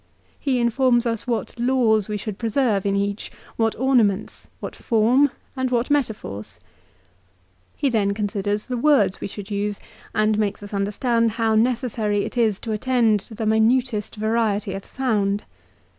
He informs us what laws we should preserve in each, what ornaments, what form, and what metaphors. He then considers the words we should use, and makes us understand how necessary it is to attend to the minutest variety of sound.